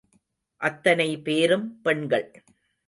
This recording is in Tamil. அத்தனை பேரும் பெண்கள்.